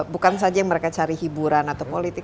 bukan saja yang mereka cari hiburan atau politik